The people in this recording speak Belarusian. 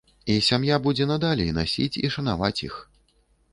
І сям'я будзе надалей насіць і шанаваць іх.